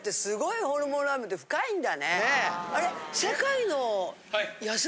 あれ？